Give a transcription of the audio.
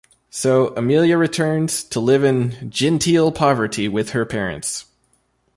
So Amelia returns to live in genteel poverty with her parents.